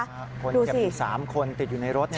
คนเจ็บอยู่๓คนติดอยู่ในรถเนี่ย